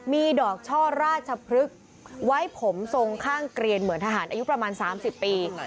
มีดอกช่อราชพฤกษ์ไว้ผมทรงข้างเกลียนเหมือนทหารอายุประมาณ๓๐ปี